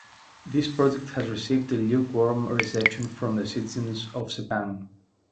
This project has received a lukewarm reception from the citizens of Sepang.